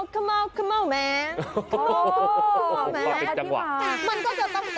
คำว่าคำว่าคำว่า